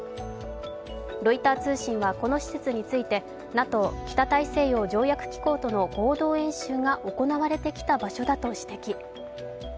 ロイター通信はこの施設について、ＮＡＴＯ＝北大西洋条約機構との合同演習が行われてきた場所だと指摘。